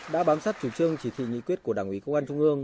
đã bám sát chủ trương chỉ thị nghị quyết của đảng ủy công an trung ương